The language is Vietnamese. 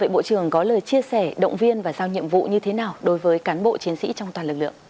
bộ trưởng có lời chia sẻ động viên và giao nhiệm vụ như thế nào đối với cán bộ chiến sĩ trong toàn lực lượng